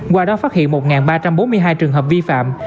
qua đó phát hiện một ba trăm bốn mươi hai trường hợp vi phạm